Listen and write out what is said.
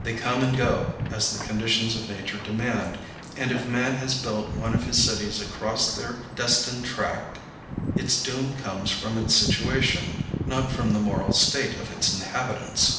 They come and go as the conditions of nature demand, and if man has built one of his cities across their destined track, its doom comes from its situation, not from the moral state of its inhabitants.